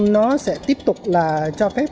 nó sẽ tiếp tục là cho phép